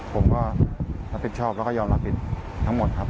ผมก็รับผิดชอบแล้วก็ยอมรับผิดทั้งหมดครับ